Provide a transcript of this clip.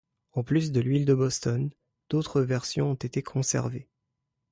En plus de l'huile de Boston, d'autres versions ont été conservées.